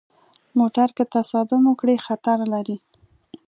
موټر که تصادم وکړي، خطر لري.